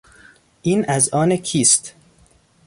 این از آن کیست؟